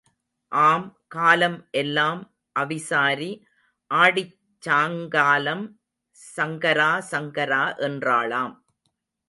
ஆம் காலம் எல்லாம் அவிசாரி ஆடிச் சாங்காலம் சங்கரா சங்கரா என்றாளாம்.